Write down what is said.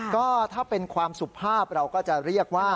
ก็ถ้าเป็นความสุภาพเราก็จะเรียกว่า